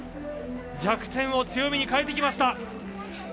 弱点を強みに変えてきました。